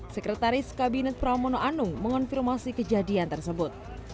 sekretaris kabinet pramono anung mengonfirmasi kejadian tersebut